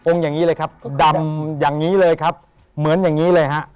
อย่างนี้เลยครับดำอย่างนี้เลยครับเหมือนอย่างนี้เลยฮะ